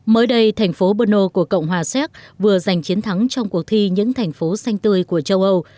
mới đây thành phố berno của cộng hòa séc vừa giành chiến thắng trong cuộc thi những thành phố xanh tươi của châu âu